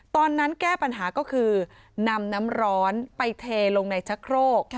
แก้ปัญหาก็คือนำน้ำร้อนไปเทลงในชะโครก